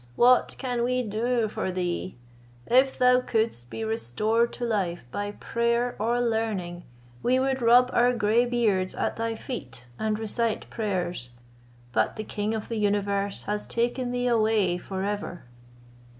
what can we do for thee? If thou couldst be restored to life by prayer or learning, we would rub our grey beards at thy feet, and recite prayers; but the King of the universe has taken thee away for ever."